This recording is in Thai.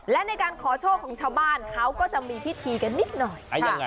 และในการขอโชคของชาวบ้านเขาก็จะมีพิธีกันนิดหน่อย